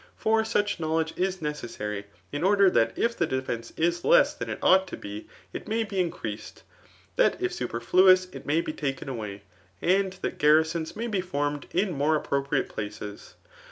For suck knowledge is necessary, in ordisr that if the defence ia hss [than it ought to be] it may be increased ; that if suj^eifluous it may be taken away ; and ;that garriaoiia f»y be formed in more appropriate places.